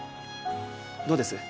どうです？